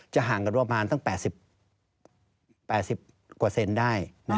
ห่างกันประมาณตั้ง๘๐กว่าเซนได้